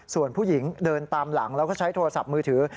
ส่วนผู้หญิงเดินตามหลังแล้วก็ใช้โทรศัพท์มือถือ